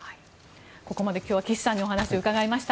ここまで今日は岸さんにお話を伺いました。